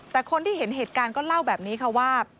แต่คนที่เห็นเหตุการณ์ก็เล่าแบบนี้ค่ะว่า